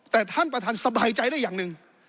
แต่ท่านประธานสบายใจได้อย่างหนึ่ง